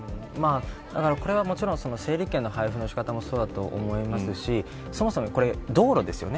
これはもちろん整理券の配布の仕方もそうだと思いますしそもそも、これ道路ですよね。